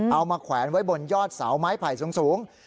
เอามาแขวนไว้บนยอดเสาไม้ไผ่สูง